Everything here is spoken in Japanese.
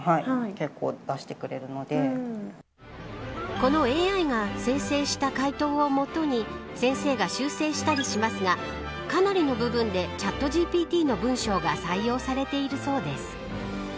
このＡＩが生成した回答を基に先生が修正したりしますがかなりの部分でチャットＧＰＴの文章が採用されているそうです。